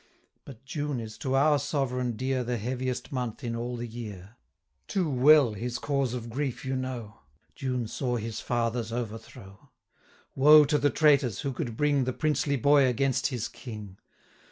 But June is to our Sovereign dear 295 The heaviest month in all the year: Too well his cause of grief you know, June saw his father's overthrow. Woe to the traitors, who could bring The princely boy against his King!